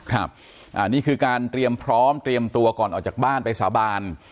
ครับอันนี้คือการเตรียมพร้อมเตรียมตัวก่อนออกจากบ้านไปสาบาน